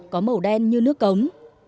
có màu đen như nước cống